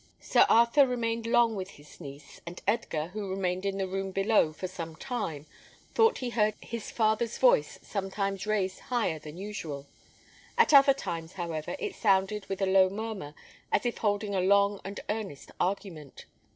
Sir Arthur remained long with his niece; and Edgar, who remained in the room below for some time, thought he heard his father's voice sometimes raised higher than usual. At other times, however, it sounded with a low murmur, as if holding a long and earnest argument.